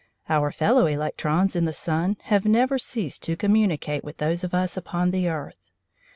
Our fellow electrons in the sun have never ceased to communicate with those of us upon the earth.